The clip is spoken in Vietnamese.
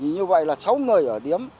như vậy là sáu người ở điếm